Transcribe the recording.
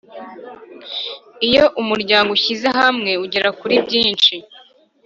Iyo umuryango ushyize hamwe ugera kuri byinshi